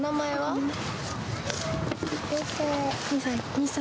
２歳。